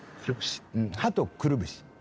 歯とくるぶし。